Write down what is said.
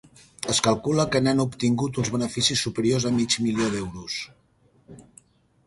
Es calcula que n'han obtingut uns beneficis superiors a mig milió d'euros.